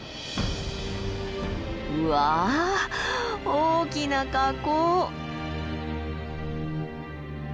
うわ大きな火口！